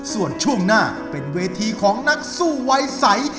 ส่วนช่วงหน้าเป็นเวทีของนักสู้วัยใส